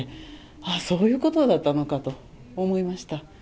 ああ、そういうことだったのかと思いました。